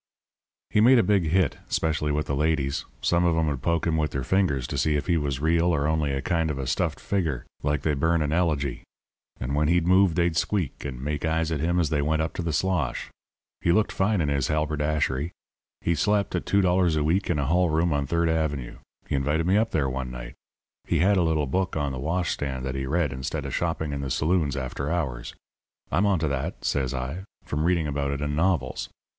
"He made a big hit, 'specially with the ladies. Some of 'em would poke him with their fingers to see if he was real or only a kind of a stuffed figure like they burn in elegy. And when he'd move they'd squeak, and make eyes at him as they went up to the slosh. He looked fine in his halberdashery. He slept at $2 a week in a hall room on Third Avenue. He invited me up there one night. He had a little book on the washstand that he read instead of shopping in the saloons after hours. 'I'm on to that,' says I, 'from reading about it in novels.